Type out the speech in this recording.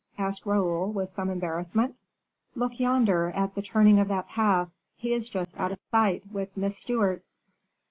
asked Raoul, with some embarrassment. "Look yonder, at the turning of that path; he is just out of sight, with Miss Stewart.